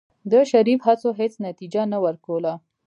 د شريف هڅو هېڅ نتيجه نه ورکوله.